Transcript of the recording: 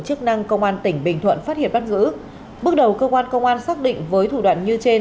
chức năng công an tỉnh bình thuận phát hiện bắt giữ bước đầu cơ quan công an xác định với thủ đoạn như trên